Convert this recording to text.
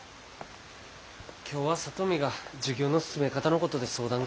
今日は里美が授業の進め方のことで相談があるって。